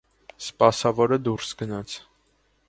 Սպասավորը դուրս գնաց: